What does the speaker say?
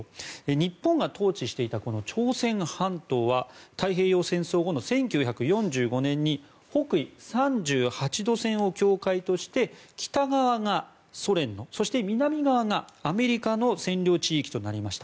日本が統治していた朝鮮半島は太平洋戦争後の１９４５年に北緯３８度線を境界として北側がソ連そして、南側がアメリカの占領地域となりました。